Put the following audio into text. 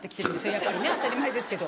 やっぱり当たり前ですけど。